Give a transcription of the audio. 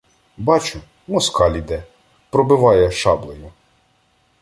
Бачу — москаль іде, пробиває шаблею.